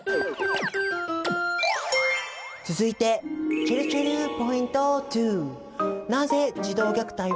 続いてちぇるちぇるポイント２。